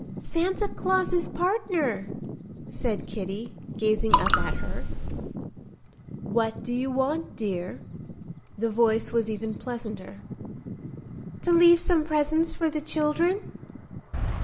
"Santa Claus's partner," said Kitty, gazing up at her. "What do you want, dear?" The voice was even pleasanter. "To leave some presents for the children."